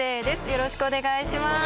よろしくお願いします。